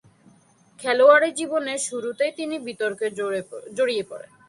খেলোয়াড়ী জীবনের শুরুতেই তিনি বিতর্কে জড়িয়ে পড়েন।